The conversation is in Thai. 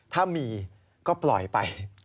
ถ้ามีก็ปล่อยไป